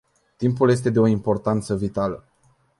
Timpul este de o importanță vitală.